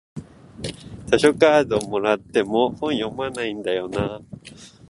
図書カードもらっても本読まないんだよなあ